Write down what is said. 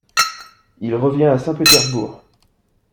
Il revient à Saint-Pétersbourg.